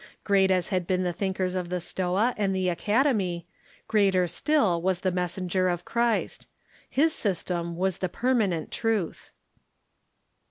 Great as had been the thinkers of the Stoa and the Academj^, greater still was the messenger of Christ. His system was the permanent truth.